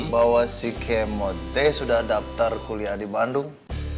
bahwa si kemote sudah daftar kuliah di bandung